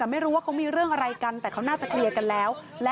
หัวคิวสัยแย่งลูกค้ากันหรือเปล่า